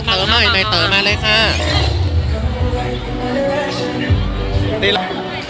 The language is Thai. เต๋อใหม่ใหม่เต๋อมาเลยค่ะ